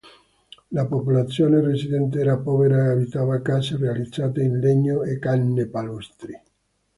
La popolazione residente era povera e abitava case realizzate in legno e canne palustri.